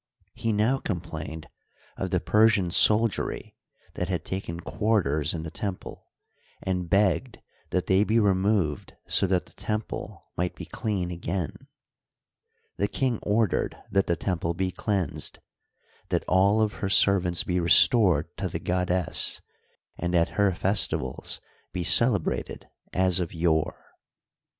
He now com plained of the Persian soldiery that had taken quarters in the temple, and begged that fhey be removed so that the temple might be clean again. The king ordered that the temple be cleans'ed, that all of her servants be restored to Digitized byCjOOQlC THE PERSIANS IN EGYPT, 137 the goddess, and that her festivals be celebrated as of yore.